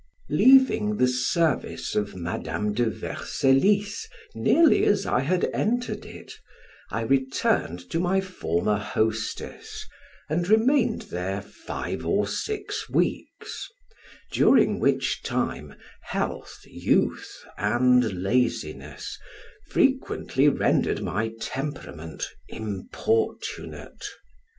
Leaving the service of Madam de Vercellis nearly as I had entered it, I returned to my former hostess, and remained there five or six weeks; during which time health, youth, and laziness, frequently rendered my temperament importunate.